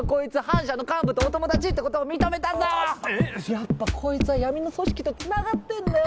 やっぱこいつは闇の組織とつながってんだよ！